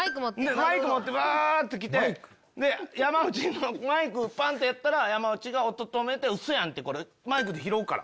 マイク持ってワっと来て山内にマイクパンとやったら音止めて「うそやん」ってこれマイクで拾うから。